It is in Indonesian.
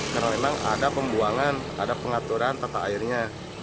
karena memang ada pembuangan ada pengaturan tata airnya